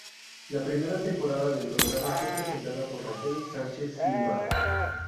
La primera temporada del programa fue presentada por Raquel Sánchez-Silva.